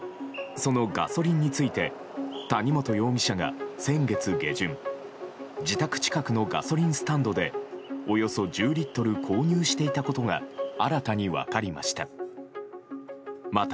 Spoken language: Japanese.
そのガソリンについて谷本容疑者が先月下旬自宅近くのガソリンスタンドでおよそ１０リットル購入していたことが新たに分かりました。